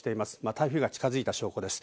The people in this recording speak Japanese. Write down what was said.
台風が近づいた証拠です。